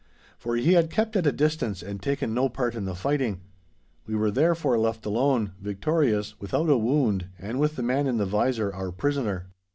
For he had kept at a distance and taken no part in the fighting. We were therefore left alone, victorious, without a wound, and with the man in the visor, our prisoner.